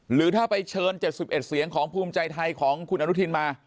หรือถ้าไปเชิญ๗๑เสียงของภูมิใจไทยของคุณอนุทินมา